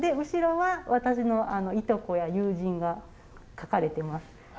後ろは私のいとこや友人が描かれてます。